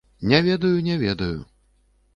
Не ведаю, не ведаю.